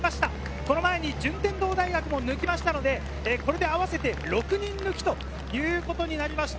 この前に順天堂大学も抜きましたので、これで合わせて６人抜きということになりました。